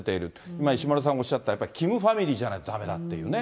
今、石丸さんがおっしゃった、やっぱキムファミリーじゃないとだめだっていうね。